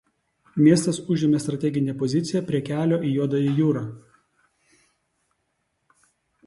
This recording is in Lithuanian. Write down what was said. Miestas užėmė strateginę poziciją prie kelio į Juodąją jūrą.